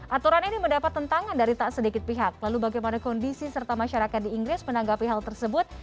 aturan ini mendapat tentangan dari tak sedikit pihak lalu bagaimana kondisi serta masyarakat di inggris menanggapi hal tersebut